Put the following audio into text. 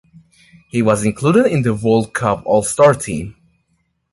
He was included in the World Cup All Star Team.